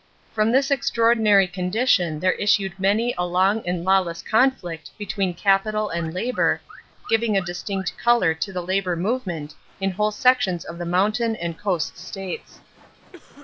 From this extraordinary condition there issued many a long and lawless conflict between capital and labor, giving a distinct color to the labor movement in whole sections of the mountain and coast states.